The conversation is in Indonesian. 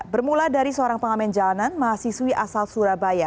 bermula dari seorang pengamen jalanan mahasiswi asal surabaya